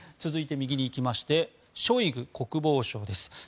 続いて、右に行きましてショイグ国防相です。